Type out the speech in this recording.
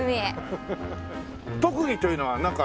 特技というのはなんか。